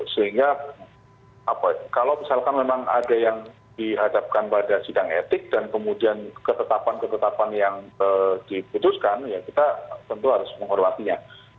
sehingga kalau misalkan memang ada yang dihadapkan pada sidang etik dan kemudian ketetapan ketetapan yang diputuskan ya kita tentu harus menghormatinya